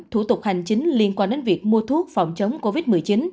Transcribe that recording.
thủ tục hành chính liên quan đến việc mua thuốc phòng chống covid một mươi chín